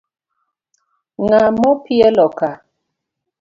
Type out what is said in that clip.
Ng'a mo pielo ka?